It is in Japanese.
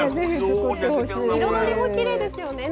彩りもきれいですよね。